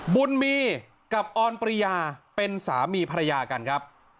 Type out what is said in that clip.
บุญมีกับออนปริยาเป็นสามีภรรยากันครับ